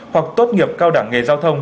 hoặc tốt nghiệp cao đẳng nghề giao thông